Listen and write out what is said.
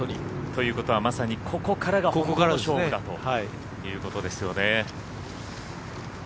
ということはまさにここからが本当の勝負だということですよね。